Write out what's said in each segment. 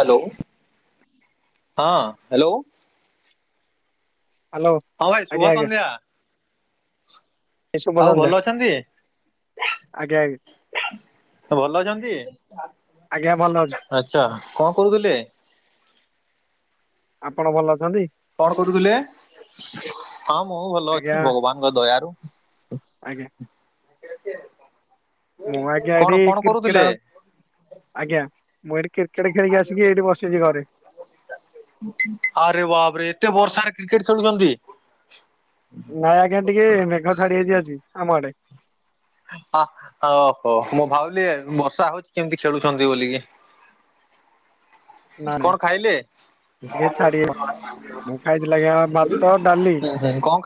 Hello ହଁ hello. Hello ହ ଭାଇ ଆଜ୍ଞା ଶୁଭ ଆଜ୍ଞା ସନ୍ଧ୍ୟା। ଭାଇ ଶୁଭ ଆଉ ସନ୍ଧ୍ୟା। ଭଲ ଅଛନ୍ତି? ଆଜ୍ଞା, ଆଜ୍ଞା। ଭଲ ଅଛନ୍ତି? ଆଜ୍ଞା ଭଲ ଅଛି ଆଛା କଣ କରୁଥିଲେ? ଆପଣ ଭଲ ଅଛନ୍ତି? କଣ କରୁଥିଲେ? ହଁ ମୁଁ ଭଲ ଆଜ୍ଞା ଅଛି ଭଗବାନଙ୍କ ଦୟାରୁ। ଆଜ୍ଞା। ମୁଁ ଆଜ୍ଞା କଣ ଏଠି କଣ କ୍ରିକେଟ୍ କରୁଥିଲେ? ଆ ଆଜ୍ଞା ମୁଁ ଏଇଠି କ୍ରିକେଟ ଖେଳିକି ଆସିକି ଏଇଠି ବସିଛି ଘରେ। ଆରେ ବାପ୍ ରେ ଏତେ ବର୍ଷାରେ କ୍ରିକେଟ ଖେଳୁଛନ୍ତି? ନାଇଁ ଆଜ୍ଞା ଟିକେ ମେଘ ଛାଡି ଯାଇଯି ଆଜି ଆମ ଆଡେ। ଅ ଓହୋ ମୋ ଭାବିଲି ବର୍ଷା ହଉଛି କେମିତି ଖେଳୁଛନ୍ତି ବୋଲିକି। ନା ନାଇଁ କଣ ଖାଇଲେ? ଟିକେ ହୁଁ ଛାଡି ହୁଁ କଣ? ମୁଁ ଖାଇଥିଲି ଆଜ୍ଞା ଭାତ ଡାଲି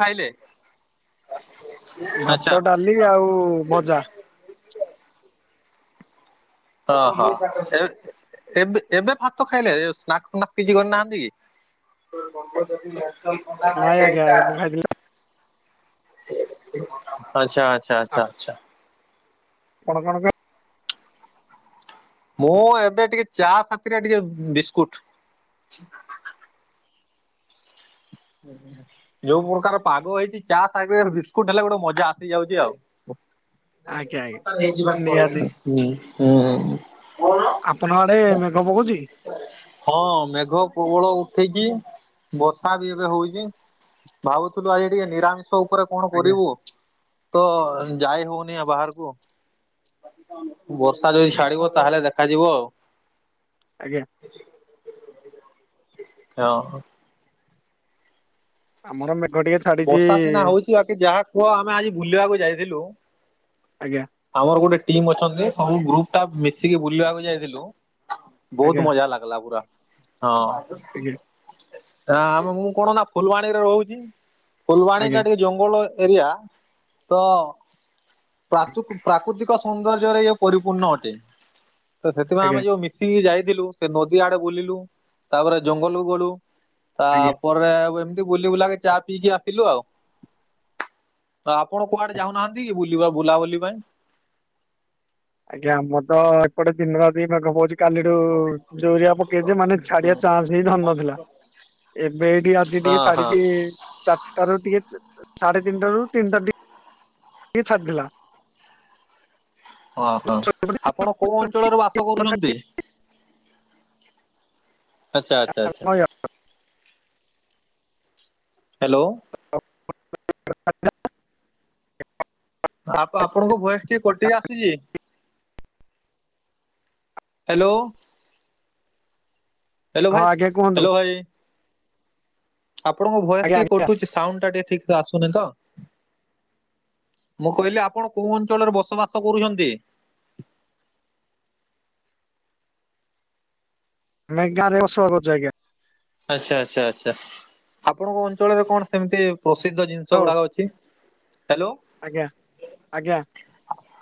ଖାଇଲେ? ଆଚ୍ଛା ଭାତ, ଡାଲି, ଆଉ ଭଜା। ହ ହ, ଏବେ- ଏବେ ଭାତ ଖାଇଲେ? ସ୍ନାକ ଫାକ କିଛି କରିନାହାନ୍ତି କି? ନସଲ ପନା ନାଇଁ ନ ଏ ଆଜ୍ଞା କା ମୁଁ [unintelligible] ଖାଇଥିଲି ଆଚ୍ଛା, ଆଚ୍ଛା, ଆଚ୍ଛା, ଆଚ୍ଛା। କଣ କଣ କ ମୁଁ ଏବେ ଟିକେ ଚା ସାଥିରେ ଟିକେ ବିସ୍କୁଟ। [inaudible] ଯୋଉ ମୁରକାର ପାଗ ହେଇଛି, ଚା ସାଙ୍ଗରେ ବିସ୍କୁଟ ହେଲେ ଗୋଟେ ମଜା ଆସିଯାଉଛି ଆଉ। ଆଜ୍ଞା ଆଜ୍ଞା କା ହେଇଯ ନିହାତି ହୁଁ [unintelligible] ଆପଣଙ୍କ ଆଡେ ମେଘ ପକଉଛି? ହଁ ମେଘ ପର୍ବଳ ଉଠେଇକି ବର୍ଷା ବି। ହଉଛି। ଭାବୁଥିଲୁ ଆଜି ଟିକେ ନିରାମିଷ ଉପରେ କଣ ଆଜ୍ଞା କରିବୁ? ତ ଯାଇ ହଉନି ବାହାରକୁ। ବର୍ଷା ଯଦି ଛାଡିବ ତାହେଲେ ଦେଖାଯିବ ଆଉ। ଆଜ୍ଞା। ହଁ। ଆମର ମେଘ ଟିକେ ଛାଡିଛି। ବର୍ଷା ସିନା ହଉଛି ବାକି ଯାହା କୁହ ଆମେ ଆଜି ବୁଲିବାକୁ ଯାଇଥିଲୁ। ଆଜ୍ଞା। ଆମର ଗୋଟେ ଟିମ୍ ଅଛନ୍ତି ସବୁ ଗ୍ରୁପ ଟା ମିଶିକି ବୁଲିବାକୁ ଯାଇଥିଲୁ। ବହୁତ ଆଜ୍ଞା ମଜା ଲାଗିଲା ପୁରା। ହଁ। ଆଜ୍ଞା ଆମେ ମୁଁ କଣ ନା ଫୁଲବାଣୀରେ ରହୁଛି। ଫୁଲବାଣୀ ଟା ଆଜ୍ଞା ଟିକେ ଜଙ୍ଗଲ ଏରିଆ ତ ପ୍ରଚ ପ୍ରାକୃତିକ ସୌନ୍ଦର୍ଯ୍ୟରେ ଇଏ ପରିପୂର୍ଣ୍ଣ ଅଟେ। ତ ସେଥିପାଇଁ ଆଜ୍ଞା ଆମେ ଯୋଉ ମିଶିକି ଯାଇଥିଲୁ ସେ ନଦୀ ଆଡେ ବୁଲିଲୁ। ତାପରେ ଜଙ୍ଗଲକୁୁ ଗଲୁ। ଆଜ୍ଞା। ତାପରେ ତାପରେ ଏମିତି ବୁଲି ବୁଲାକ ଚା ପିଇକି ଆସିଲୁ ଆଉ। ତ ଆପଣ କୁଆଡେ ଯାଉନାହାନ୍ତି ବୁଲା ବୁଲାବୁଲି ପାଇଁ? ଆଜ୍ଞା ଆମର ତ ଏପଟେ ଦିନରାତି ମେଘ ପକୋ କାଲିଠୁ ଜୋ ଏରିଆ ପକେଇଚି ମାନେ ହଁ ଛାଡିଆ ଚାନ୍ସ ହେଇ ଧ ନଥିଲା। ଏବେ ଏଇଠିକେ ଆଜି ଟିକେ ହଁ ଛାଡିଚି ହଁ ଚାରିଟାରୁ ଟିକେ ସାଢେ ତିନିଟା ରୁ ତିନିଟା ଟି [unintelligible] ଛାଡ଼ିଲା। ଓହୋ ଆପଣ କୋଉ ଅଞ୍ଚଳରେ ବାସ କରୁଚନ୍ତି? ଆଚ୍ଛା ଆଚ୍ଛା। ହଁ ହାଲୋ। [unintelligible] ଆ ଆପଣଙ୍କ ବୟସ ଟିକେ କୋଟି ଆସୁଚି। ହାଲୋ। ହାଲୋ ଭାଇ ଆଜ୍ଞା କୁହନ୍ତୁ ହାଲୋ ଭାଇ। ଆପଣଙ୍କ ଭଏସ ଆଜ୍ଞା ଟିକେ ଆଜ୍ଞା କଟୁଚି ସାଉଣ୍ଡ ଟା ଟିକେ ଠିକ ସେ ଆସୁନି ତ। ମୁଁ କହିଲି ଆପଣ କୋଉ ଅଞ୍ଚଳରେ ବସବାସ କରୁଚନ୍ତି? ଏ [unintelligible] ଆଜ୍ଞା। ଆଚ୍ଛା ଆଚ୍ଛା ଆଚ୍ଛା ଆପଣଙ୍କ ଅଞ୍ଚଳରେ କଣ ସେମିତି ପ୍ରସିଦ୍ଧ ଜିନିଷ ହ୍ୟାଲୋ ଗୁଡାକ ଅଛି, ହ୍ୟାଲୋ ଆଜ୍ଞା ଆଜ୍ଞା।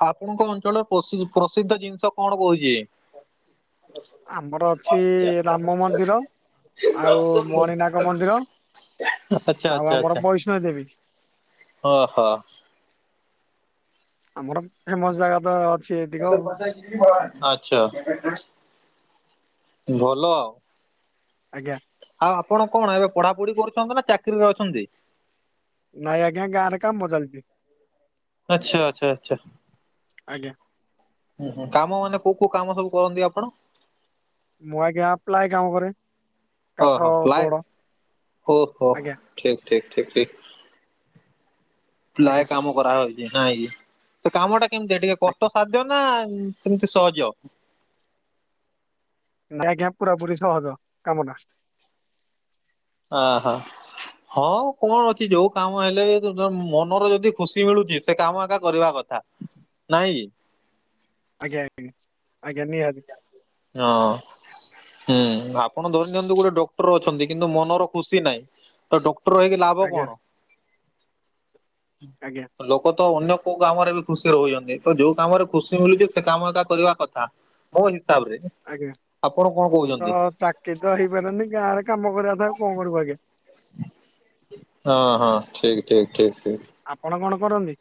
ଆପଣଙ୍କ ଅଞ୍ଚଳରେ ପ୍ରସି ପ୍ରସିଦ୍ଧ ଜିନିଷ କଣ କହୁଚି? ଆମର ଅଛି ରାମ ମନ୍ଦିର। ଆଉ ମଣିନାକ ମନ୍ଦିର ଆଚ୍ଛା ଆଉ ଆମର ବୈଷ୍ଣ ଦେବୀ। ହଁଓହୋ। ଆମର ଫେମସ ଜାଗା ତ ଅଛି ଏତିକ ଆଉ ଆଚ୍ଛା ଭଲ ଆଉ। ଆଜ୍ଞା। ଆଉ ଆପଣ କଣ ଏବେ ପଢାପଢି କରୁଚନ୍ତି ନା ଚାକିରିରେ ଅଛନ୍ତି? ନାଇଁ ଆଜ୍ଞା ଗାଁ ରେ କାମ ଚାଲିଚି। ଆଚ୍ଛା ଆଚ୍ଛା ଆଚ୍ଛା। ଆଜ୍ଞା। କାମ ମାନେ କୋଉ କୋଉ କାମ ସବୁ କରନ୍ତି କଣ? ମୁଁ ଆଜ୍ଞା ଆପ୍ଲାଏ କାମରେ ଓହୋ ପ୍ଲାଏ ଓହୋ। ଆଜ୍ଞା ଠିକ ଠିକ ଠିକ ଠିକ ଆଜ୍ଞା ଲାୟ କାମ କରା ହେଉଚି ନାଇ ତ କାମ ଟା କେମିତି ଟିକେ କଷ୍ଟ ସାଧ୍ୟ ନା ସେମିତି ସହଜ। ଆଜ୍ଞା ପୁରା ପୁରୀ ସହଜ କାମ ଟା। ଓ ହୋ। ହଁ କଣ ଅଛି ଯୋଉ କାମ ହେଲେ ବି ମନର ଯଦି ଖୁସି ମିଳୁଚି ସେ କାମ ଏକା କରିବା କଥା ନାଇଁ। ଆଜ୍ଞା ଆଜ୍ଞା ନିହାତି। ହଁ। ହୁଁ ଆପଣ ଧରି ନିଅନ୍ତୁ ଗୋଟେ ଡକ୍ଟର ଅଛନ୍ତି କିନ୍ତୁ ମନର ଖୁସି ନାହିଁ ତ ଡକ୍ଟର ହେଇକି ଲାଭ ଆଜ୍ଞା କଣ? ଆଜ୍ଞା। ଲୋକ ତ ଅନ୍ୟ କୋଉ କାମରେ ବି ଖୁସିରେ ରହୁଚନ୍ତି ତ ଯୋଉ କାମରେ ଖୁସି ମିଳୁଚି ସେ କାମଟା କରିବା କଥା। ମୋ ହିସାବରେ ଆପଣ କଣ କୋହୁଚନ୍ତି। କେ ତ ହେଇପାରନି ଗାଁ ରେ କାମ କରିବା ଥାଉ କଣ କରିବୁ ଆଜ୍ଞା। ହଁ ହଁ ଠିକ ଠିକ ଠିକ ଠିକ। ଆପଣ କଣ କରନ୍ତି?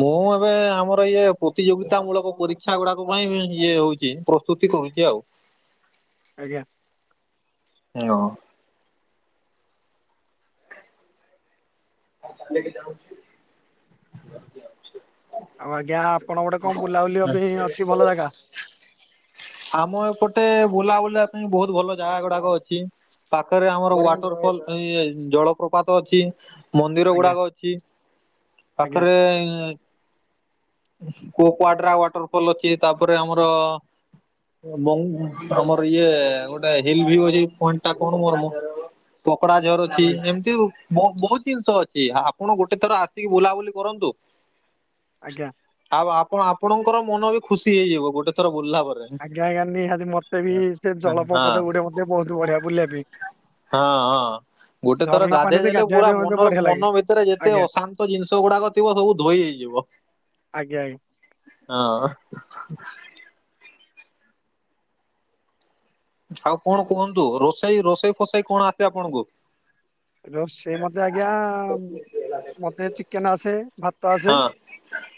ମୁଁ ଏବେ ଆମର ଇଏ ପ୍ରତିଯୋଗିତା ମୂଳକ ପରୀକ୍ଷା ଗୁଡାକ ପାଇଁ ଇଏ ହୋଉଚି। ସ୍ମୃତି କୋଉଚି ଆଉ। ଆଜ୍ଞା। ହେ ଓ। ମୁଁ ତାଲିକି ଯାଉଛି। [inaudible] ଆଉ ଆଜ୍ଞା ଆପଣ ଗୋଟେ କଣ ବୁଲା ବୁଲିିବା ପାଇଁ ଅଛି ଭଲ ଜାଗା। ଆମ ଏପଟେ ବୁଲା ବୁଲାବା ପାଇଁ ବହୁତ ଭଲ ଜାଗା ଗୁଡାକ ଅଛି। ପାଖରେ ଆମର ୱାଟର ଫଲ ଜଳପ୍ରପାତ ଅଛି। ମନ୍ଦିର ଆଜ୍ଞା ଗୁଡାକ ଅଛି ଆଜ୍ଞା ପାଖରେ କୋ କୋୱଡ୍ରା ୱାଟରଫଲ୍ ଅଛି ତାପରେ ଆମର ମ ଆମର ଇଏ ଗୋଟେ ହିଲ୍ ଭ୍ୟୁ ଅଛି ପଏଣ୍ଟ ଟା କଣ ମୋର ମୋ ପକଡା ଝରୁ ଅଛି ଆଜ୍ଞା ଏମିତି ଆଉ ବହୁତ ଜିନିଷ ଅଛି ଆପଣ ଗୋଟେ ଥର ଆସିକି ବୁଲାବୁଲି କରନ୍ତୁ। ଆଜ୍ଞା। ଆଉ ଆପଣ ଆପଣଙ୍କର ମନ ବି ଖୁସି ହେଇଯିବ ଗୋଟେ ଥର ବୁଲିଲା ପରେ। ଆଜ୍ଞା ଆଜ୍ଞା ନିହାତି ମତେ ବି ସେ ହଁ ଜଳପ୍ରଭାତ ଗୁଡେ ମତେ ମଧ୍ୟ ବହୁତ ବଢିଆ ବୁଲିବା ପାଇଁ। ହଁ-ଅ ହଁ। ଗୋଟେ ଥର ଝରଣା ଗାଧେଇ ପାଣିରେ ଦେଲେ ଗାଧୋଇବା ପୁରା ପାଇଁ ମତେ ମନର ବଢିଆ ଲାଗେ ମନ ଭିତରେ ଯେତେ ଆଜ୍ଞା ଅଶାନ୍ତ ଜିନିଷ ଗୁଡାକ ଥିବ ସବୁ ଧୋଇ ହୋଇ ଯିବ। ଆଜ୍ଞା। ହଁ। ଆଉ କଣ କୁହନ୍ତୁ ରୋଷେଇ ରୋଷେଇ ଫସେଇ କଣ ଆସେ ଆପଣଙ୍କୁ? ରୋଷେଇ ମତେ ଆଜ୍ଞା-ଆ ମତେ ଚିକେନ ଆସେ ଭାତ ଆସେ।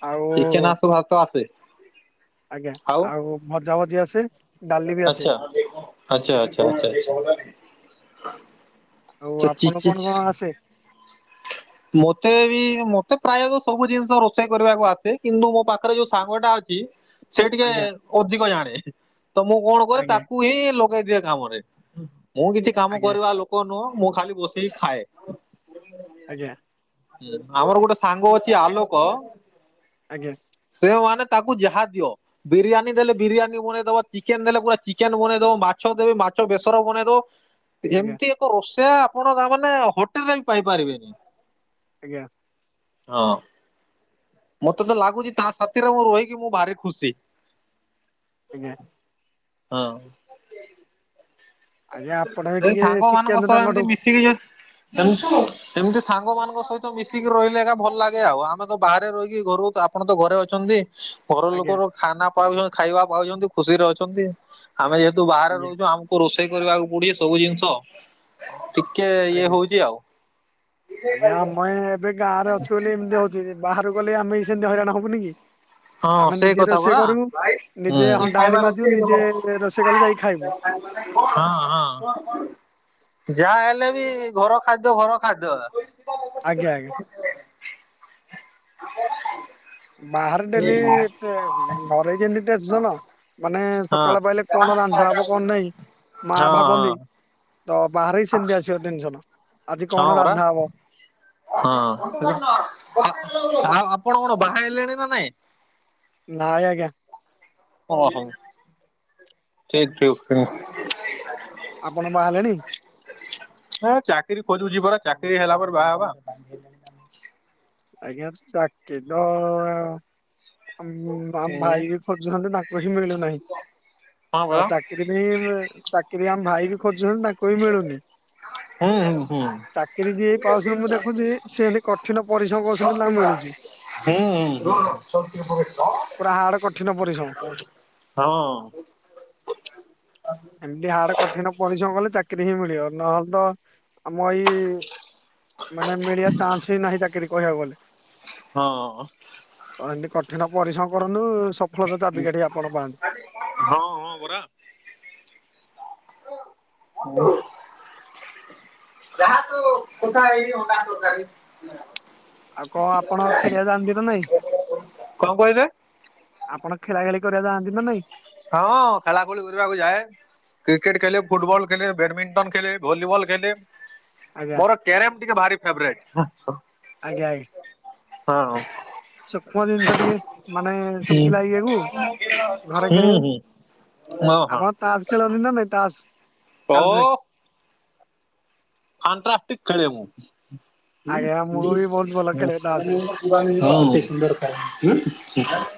ଆଉ ଚିକେନ୍ ଆସେ ଭାତ ଆସେ। ଆଜ୍ଞା ଆଉ ମଜା ମଜି ଆସେ? ଡାଲି ବି ଆସେ ଆଛା ଆଛା ଆଛାଛା। ଆଉ ଆପଣ କଣ କଣ ଆସେ? ମତେ ବି ମତେ ପ୍ରାୟତଃ ସବୁ ଜିନିଷ ରୋଷେଇ କରିବାକୁ ଆସେ କିନ୍ତୁ ମୋ ପାଖରେ ଯୋଉ ସାଙ୍ଗ ଟା ଅଛି ସେ ଟିକେ ଆଜ୍ଞା ଅଧିକ ଜାଣେ ତ ମୁଁ କଣ କରେ ଆଜ୍ଞା ତାକୁ ହିଁ ଲୋ ପକେଦିଏ କାମରେ ମୁଁ କିଛି କାମ ଆଜ୍ଞା କରିବା ଲୋକ ନୁହଁ ମୁଁ ଖାଲି ବସେଇକି ଖାଏ। ଆଜ୍ଞା। ଆମର ଗୋଟେ ସାଙ୍ଗ ଅଛି ଆଲୋକ ଆଜ୍ଞା ସେଓ ମାନେ ତାକୁ ଯାହା ଦିଅ ବିରିୟାନୀ ଦେଲେ ବିରିୟାନୀ ବନେଇଦବ ଚିକେନ ଦେଲେ ପୁରା ଚିକେନ ବନେଇଦବ ମାଛ ଦେବେ ମାଛ ବେସର ବନେଇଦବ। ଆଜ୍ଞା ଏମିତି ଏକ ରୋଷେଇଆ ଆପଣ ତା ମାନେ ହୋଟେଲରେ ବି ପାଇପାରିବେନି। ଆଜ୍ଞା। ହଁ। ମତେ ତ ଲାଗୁଛି ତା ସାଥିରେ ମୁଁ ରହିକି ମୁଁ ଭାରି ଖୁସି। ଆଜ୍ଞା। ହଁ। ଆଜ୍ଞା ଆପଣ ବି ସେ ଟିକେ ସାଙ୍ଗ ମାନଙ୍କ ଶିଖନ୍ତୁ ସହ ଏମତି ତାଙ୍କଠୁ ମିଶିକି ଯଦି [inaudible] ସେମତି ସାଙ୍ଗ ମାନଙ୍କ ସହିତ ମିଶିକି ରହିଲେ ଏକା ଭଲ ଲାଗେ ଆଉ ଆମେ ତ ବାହାରେ ରହିକି ଘରକୁ ଯା ଆପଣ ତ ଘରେ ଅଛନ୍ତି। ଘର ଆଜ୍ଞା ଲୋକର ଖାନା ପାଉଛନ୍ତି ଖାଇବା ପାଉଛନ୍ତି ଖୁସିରେ ଅଛନ୍ତି ଆମେ ଯେହେତୁ ବାହାରେ ଆଜ୍ଞା ରହୁଛୁ ଆମ ରୋଷେଇ କରିବାକୁ ପଡଛି ସବୁ ଜିନିଷ ଟିକେ ଇଏ ଆଜ୍ଞା ହଉଛି ଆଉ। ଆଜ୍ଞା ଆମୟ ଏବେ ଗାଁ ରେ ଅଛୁ ବୋଲି ଏମିତି ହଉଛି ବାହାରୁକୁ ଗଲେ ଆମେ ସେମିତି ହଇରାଣ ହବୁନି କି। ହଁ ଆମେ ସେଇ ନିଜେ କଥା ରୋଷେଇ ପରା। କରୁ ହୁଁ। ନିଜେ ହଣ୍ଡା ହାଣ୍ଡି ମାଜୁ ନିଜେ ରୋଷେଇ କଲେ ଯାଇକି ଖାଇବୁ। ହଁ ହଁ। ଯାହା ହେଲେ ବି ଘର ଖାଦ୍ୟ ଘର ଖାଦ୍ୟ। ଆଜ୍ଞା ଆଜ୍ଞା [unintelligible] ବାହାରେ ଡେଲି ତେ ଘରେ ଯେମତି ଟେନସନ ମାନେ ହଁ। ସକାଳ ପାଇଲେ କଣ ରାନ୍ଧା ହବ କଣ ନାହିଁ ମା ହଁ ହଁ ଭାବନ୍ତି ତ ବାହାରେ ହି ସେମିତି ଆସିବ ଟେନସନ। ଆଜି ହଁ କଣ ପରା। ରାନ୍ଧା ହବ ହଁ ଆଉ ଆପଣ କଣ ବାହା ହେଲେଣି ନା ନାଇଁ? ନାଇଁ ଆଜ୍ଞା। ଓହୋ। ସେଇଠୁ [unintelligible] ଆପଣ ବାହା ହେଲେଣି? ହ ଚାକିରି ଖୋଜୁଛି ପରା ଚାକିରି ହେଲା ପରେ ବାହା ହେବା। ଆଜ୍ଞା ଚାକିରି ତ ଆମ ଭା-ଭାଇ ବି ଖୋଜୁଛନ୍ତି ନା [unintelligible] ମିଳୁ ନାହିଁ ହଁ ତ ଚା ପରା ଚାକିରି ବି ଚାକିରି ଆମ ଭାଇ ବି ଖୋଜୁଛନ୍ତି ତାଙ୍କୁ ବି ମିଳୁନି। ହୁଁ ହୁଁ ଚାକିରି ଯିଏ ପାଉଛି ମୁଁ ଦେଖୁଛି ସିଏ କଠିନ ପରିଶ୍ରମ କରୁଛନ୍ତି ତାଙ୍କୁ ମିଳୁଛି ହୁଁ ପୁରା ହାର୍ଡ ହୁଁ କଠିନ ପରିଶ୍ରମ। ହଁ। ଏମିତି ହାଡ କଠିନ ପରିଶ୍ରମ କଲେ ଚାକିରି ହିଁ ମିଳିବ ନହେଲେ ତ ଆମ ଏଇ ମାନେ ମିଳିବା ଚାନ୍ସ ହି ନାହିଁ ଚାକିରି କହିବାକୁ ଗଲେ। ହଁ। ତ ଏମିତି କଠିନ ପରିଶ୍ରମ କରନ୍ତୁ ସଫଳତା ଚାବିକାଠି ଆପଣ ପାନ୍ତୁ। ହଁ ହଁ ପରା। [unintelligible] ଯାହା ତ କଥା ହେଇ ଅଣ୍ଡା ତରକାରୀ। ଆଉ କଣ ଆପଣ ଖେଳିବା ଯାଆନ୍ତି ନା ନାଇଁ କଣ କହିଲେ? ଆପଣ ଖେଳା ଖେଳି କରିବା ଯାଆନ୍ତି ନା ନାଇଁ? ହଁ ଖେଳାଖୋଳି କରିବାକୁ ଯାଏ। କ୍ରିକେଟ ଖେଲେ ଫୁଟବଲ ଖେଲେ ବ୍ୟାଡମିଣ୍ଟନ ଖେଲେ ଭଲିିବଲ ଖେଲେ। ଆଜ୍ଞା ମୋର କ୍ୟାରମ ଟିକେ ଭାରି ଫେବରାଇଟ। ଆଜ୍ଞା ଆ ହଁ। ସୂକ୍ଷ୍ମ ଜିନିଷ ଟିକେ ମାନେ ଶୁଖିଲା ଇଏକୁ ଘରେ ହୁଁ ଖେଳିବେ ହୁଁ ହଁ ହଁ ଆମ ତାସ ଖେଳନ୍ତି ନା ନାଇଁ ତାସ ଓ କାଲ ଫାଣ୍ଟ୍ରାଷ୍ଟିକ ଖେଳେ ମୁଁ ଆଜ୍ଞା ମୁଁ ବି ବହୁତ ଭଲ ଖେଳେ ତାସରେ। [unintelligible]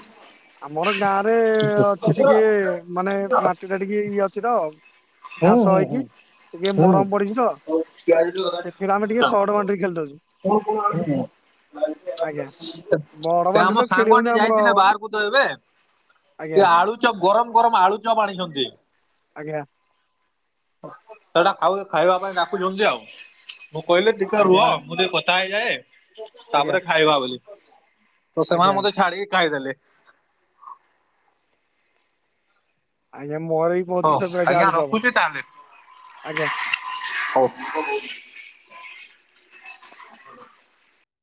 [unintelligible] ଆମର ଗାଁ ରେ ଅଛି ଟିକେ ମାନେ ମାଟି ଟା ଟିକେ ଇଏ ଅଛି ତ ହୁଁ ଘାସ ହୁଁ ହେଇକି ହୁଁ ଟିକେ ମରମ ପଡିଛି ତ ସେଥିରେ ଆମେ ଟିକେ ହୁଁ। ସଟ ବାଟିକି ଖେଳିଦଉଛୁ। ଏ ଆମ ଆଜ୍ଞା। ବଡ ବାଣ୍ଡି ତ ଖେଳି ହଉନି ସାଙ୍ଗଟେ ଆମର ଯାଇଥିଲେ ବାହାରକୁ। ତ ଏବେ ସେ ଆଜ୍ଞା ଆଳୁଚପ୍ ଗରମ ଗରମ ଆଳୁଚପ୍ ଆଣିଛନ୍ତି। ଆଜ୍ଞା। ସେଟା ଖାଉ ଖାଇବା ପାଇଁ ଡାକୁଛନ୍ତି ଆଉ ମୁଁ କହିଲି ଟିକେ ଆଜ୍ଞା ରୁହ ମୁଁ ଟିକେ କ ଥା ହେଇଯାଏ ଆଜ୍ଞା ତାପରେ ଖାଇବା ବୋଲି ତ ଆଜ୍ଞା ସେମାନେ ଆଜ୍ଞା ମତେ ଛାଡିକି ଖାଇଦେଲେ। ଆଜ୍ଞା ମୋର ବି ବହୁତ ହଉ ଫେବରାଇଟ ଆଜ୍ଞା ଆଳୁଚପ ରଖୁଛି ତାହେଲେ ଆଜ୍ଞା। ହଉ [unintelligible]